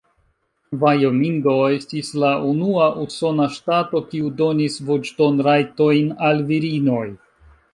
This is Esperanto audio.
Vajomingo estis la unua usona ŝtato, kiu donis voĉdon-rajtojn al virinoj.